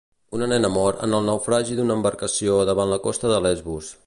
Una nena mor en el naufragi d'una embarcació davant la costa de Lesbos.